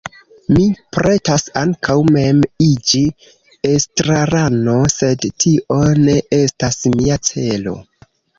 Mi pretas ankaŭ mem iĝi estrarano, sed tio ne estas mia celo.